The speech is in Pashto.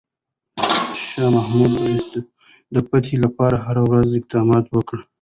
شاه محمود د اصفهان د فتح لپاره هره ورځ اقدامات وکړل.